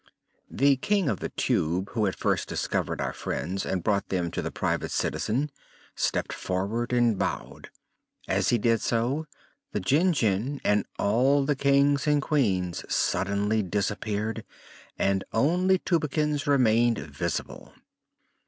The King of the Tube, who had first discovered our friends and brought them to the Private Citizen, stepped forward and bowed. As he did so, the Jinjin and all the Kings and Queens suddenly disappeared and only Tubekins remained visible.